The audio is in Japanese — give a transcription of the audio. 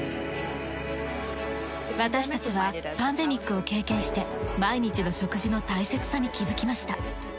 私たちはパンデミックを経験して毎日の食事の大切さに気づきました。